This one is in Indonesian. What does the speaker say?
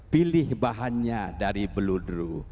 pilih bahannya dari beludru